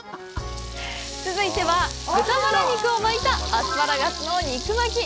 続いては、豚バラ肉を巻いたアスパラガスの肉巻き。